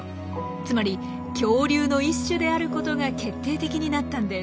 つまり恐竜の一種であることが決定的になったんです。